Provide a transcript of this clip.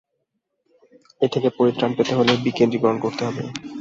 এ থেকে পরিত্রাণ পেতে হলে বিকেন্দ্রীকরণ করতে হবে।